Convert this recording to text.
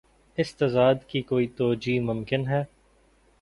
اس تضاد کی کیا کوئی توجیہہ ممکن ہے؟